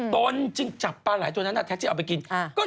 ตนจึงจับปลาไหลตัวนั้นแล้วแท็กเจ๊ออกไปกิน